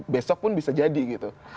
besok pun bisa jadi gitu